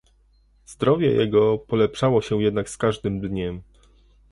"Zdrowie jego polepszało się jednak z każdym dniem."